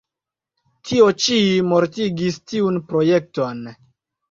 Tio ĉi mortigis tiun projekton.